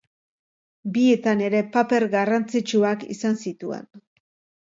Bietan ere paper garrantzitsuak izan zituen.